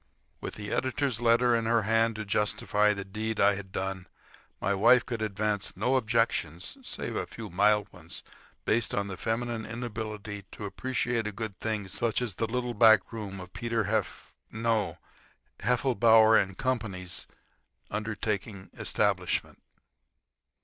With the editor's letter in her hand to justify the deed I had done, my wife could advance no objections save a few mild ones based on the feminine inability to appreciate a good thing such as the little back room of Peter Hef—no, of Heffelbower & Co's. undertaking establishment.